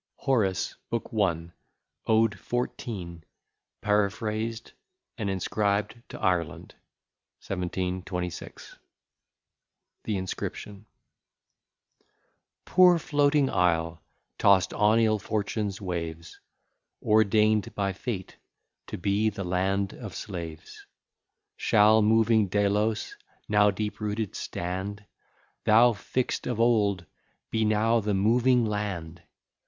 ] HORACE, BOOK I, ODE XIV PARAPHRASED AND INSCRIBED TO IRELAND 1726 THE INSCRIPTION Poor floating isle, tost on ill fortune's waves, Ordain'd by fate to be the land of slaves; Shall moving Delos now deep rooted stand; Thou fix'd of old, be now the moving land!